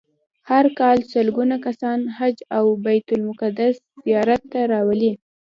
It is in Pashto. هر کال سلګونه کسان حج او بیت المقدس زیارت ته راولي.